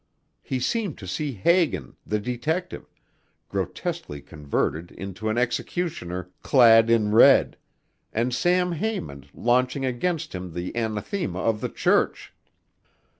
He seemed to see Hagan, the detective, grotesquely converted into an executioner clad in red and Sam Haymond launching against him the anathema of the Church.